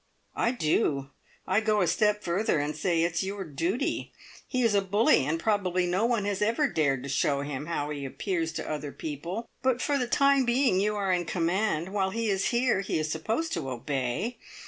"I do. I go a step further, and say it's your duty. He is a bully, and probably no one has ever dared to show him how he appears to other people, but for the time being you are in command; while he is here, he is supposed to obey.